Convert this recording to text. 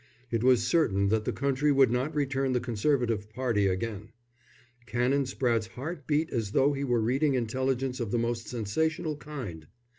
It was certain that the country would not return the Conservative party again. Canon Spratte's heart beat as though he were reading intelligence of the most sensational kind.